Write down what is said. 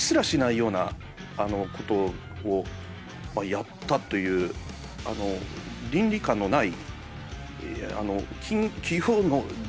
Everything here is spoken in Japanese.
やったという倫理観のない。